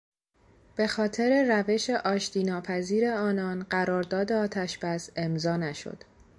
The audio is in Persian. به خاطر روش آشتیناپذیر آنان قرار داد آتشبس امضا نشد.